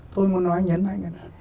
tôi muốn nói nhấn mạnh